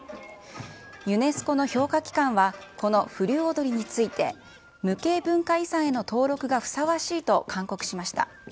ユネスコの評価機関はこの風流踊について、無形文化遺産への登録がふさわしいと勧告しました。